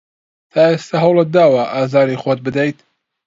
تا ئێستا هەوڵت داوە ئازاری خۆت بدەیت؟